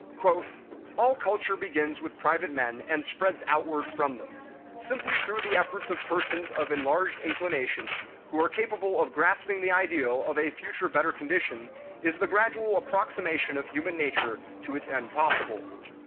"All culture begins with private men and spreads outward from them. Simply through the efforts of persons of enlarged inclinations, who are capable of grasping the ideal of a future better condition, is the gradual approximation of human nature to its end possible.